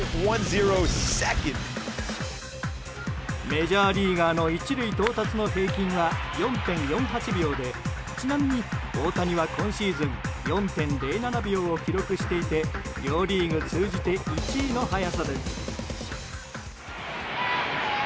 メジャーリーガーの１塁到達の平均は４．４８秒でちなみに大谷は今シーズン４．０７秒を記録していて両リーグ通じて１位の速さです。